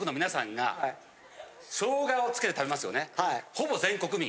ほぼ全国民。